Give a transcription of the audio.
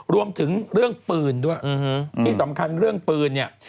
รวมถึงเรื่องปืนด้วยที่สำคัญเรื่องปืนเนี่ย